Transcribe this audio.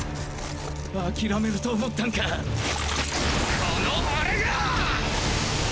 諦めると思ったンかこの俺がァ！